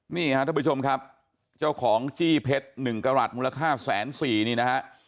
นี่ฮะท่านผู้ชมครับเจ้าของจี้เพชร๑กระหลัดมูลค่าแสนสี่นี่นะฮะ